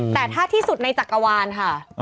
แต่ถ้าที่สุดในจักรวาลค่ะ